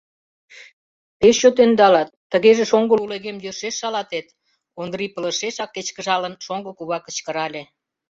Пеш чот ӧндалат, тыгеже шоҥго лулегем йӧршеш шалатет, — Ондрий пылышешак кечкыжалын, шоҥго кува кычкырале.